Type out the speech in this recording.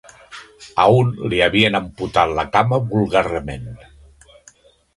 A un li havien amputat la cama vulgarment.